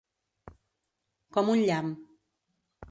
Com un llamp.